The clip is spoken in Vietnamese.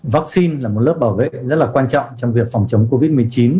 vaccine là một lớp bảo vệ rất là quan trọng trong việc phòng chống covid một mươi chín